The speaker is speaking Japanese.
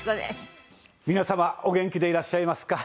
皆様お元気でいらっしゃいますか？